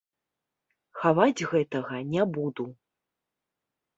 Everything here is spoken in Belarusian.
Хаваць гэтага не буду.